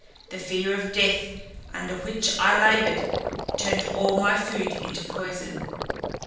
The fear of death under which I laboured, turned all my food into poison.